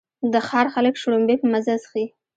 د ښار خلک شړومبې په مزه څښي.